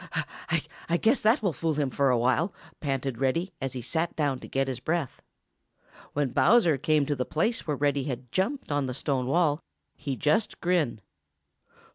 "I guess that will fool him for a while," panted Reddy, as he sat down to get his breath. When Bowser came to the place where Reddy had jumped on the stone wall, he just grinned.